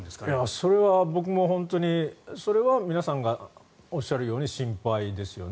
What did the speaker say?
それは僕も本当にそれは皆さんがおっしゃるように心配ですよね。